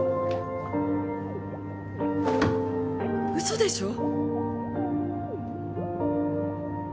嘘でしょ？